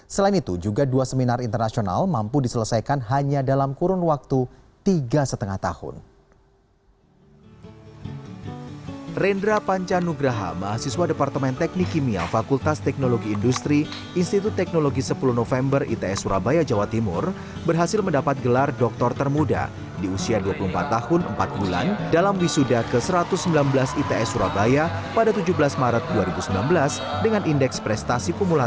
selain itu juga dua seminar internasional mampu diselesaikan hanya dalam kurun waktu tiga lima tahun